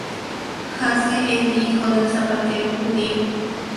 Haase era hijo de un zapatero judío.